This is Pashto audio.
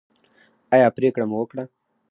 ایا پریکړه مو وکړه؟